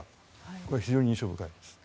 これは非常に印象深いです。